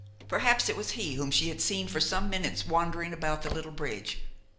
Perhaps it was he whom she had seen for some minutes wandering about the little bridge.